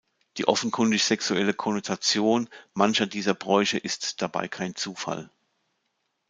Die offenkundig sexuelle Konnotation mancher dieser Bräuche ist dabei kein Zufall.